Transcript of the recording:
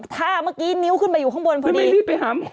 ถ้าเมื่อกี้นิ้วขึ้นมาอยู่ข้างบนพอดี